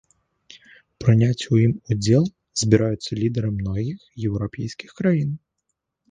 Прыняць у ім удзел збіраюцца лідары многіх еўрапейскіх краін.